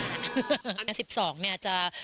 ปีหน้าสิบสองเนี่ยจะ